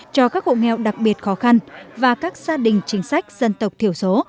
cho các hộ nghèo đặc biệt khó khăn và các gia đình chính sách dân tộc thiểu số